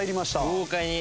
豪快に。